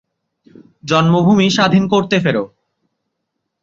জন্মভুমি স্বাধীন করতে ফের